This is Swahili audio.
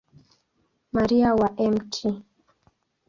Maria wa Mt.